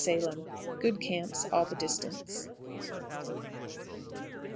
Salem. Good camps all the distance.